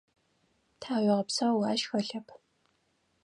Тхьауегъэпсэу ащ хэлъэп.